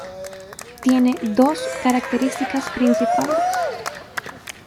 Tiene dos características principales.